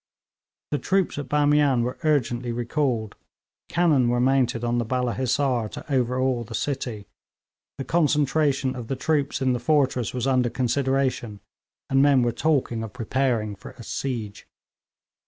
The troops at Bamian were urgently recalled. Cannon were mounted on the Balla Hissar to overawe the city, the concentration of the troops in the fortress was under consideration, and men were talking of preparing for a siege.